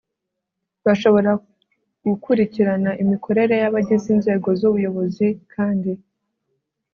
bashobora gukurikirana imikorere y'abagize inzego z'ubuyobozi kandi